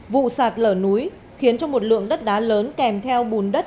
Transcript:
vụ sạt lở núi khiến cho một lượng đất đá lớn kèm theo bùn đất